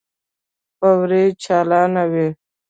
فوارې چالانې وې.